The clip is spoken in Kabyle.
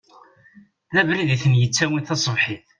D abrid i ten-yettawin tasebḥit.